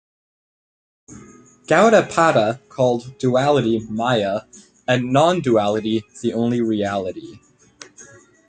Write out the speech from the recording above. Gaudapada called duality Maya, and non-duality, the only reality.